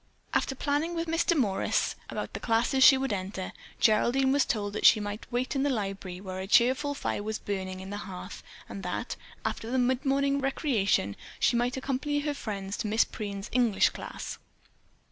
After planning with Miss Demorest about the classes she would enter, Geraldine was told that she might wait in the library, where a cheerful fire was burning in the hearth, and that, after the midmorning recreation, she might accompany her friends to Miss Preen's English class.